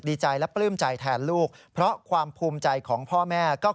กรณีนี้ทางด้านของประธานกรกฎาได้ออกมาพูดแล้ว